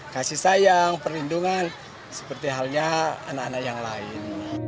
kasih sayang perlindungan seperti halnya anak anak yang lain